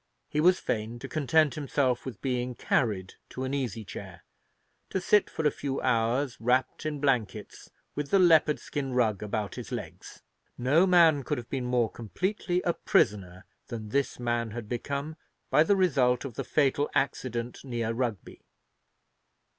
He was fain to content himself with being carried to an easy chair, to sit for a few hours, wrapped in blankets, with the leopard skin rug about his legs. No man could have been more completely a prisoner than this man had become by the result of the fatal accident near Rugby.